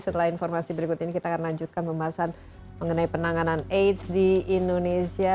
setelah informasi berikut ini kita akan lanjutkan pembahasan mengenai penanganan aids di indonesia